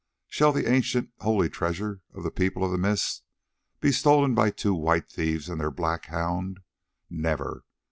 shall the ancient holy treasure of the People of the Mist be stolen by two white thieves and their black hound? Never!